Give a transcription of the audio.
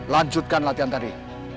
lanjutkan latihan tadi